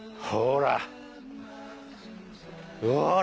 ほら！